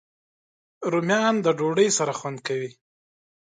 رومیان د ډوډۍ سره خوند کوي